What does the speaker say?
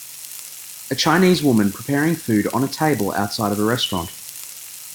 A Chinese woman preparing food on a table outside of a restaurant.